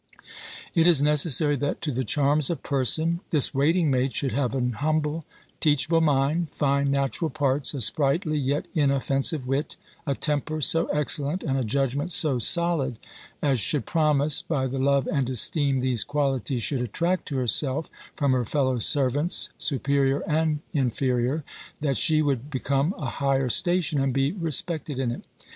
"It is necessary that, to the charms of person, this waiting maid, should have an humble, teachable mind, fine natural parts, a sprightly, yet inoffensive wit, a temper so excellent, and a judgment so solid, as should promise (by the love and esteem these qualities should attract to herself from her fellow servants, superior and inferior) that she would become a higher station, and be respected in it.